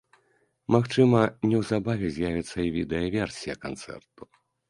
Магчыма, неўзабаве з'явіцца й відэаверсія канцэрту.